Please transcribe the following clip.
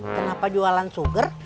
kenapa jualan sugar